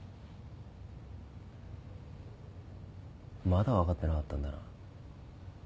まだ分かってなかったんだな。